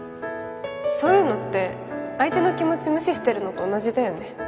そういうのって相手の気持ち無視してるのと同じだよね